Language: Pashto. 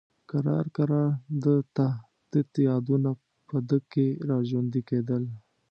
کرار کرار د ده تت یادونه په ده کې را ژوندي کېدل.